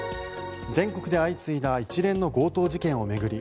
全国で相次いだ一連の強盗事件を巡り